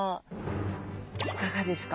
いかがですか？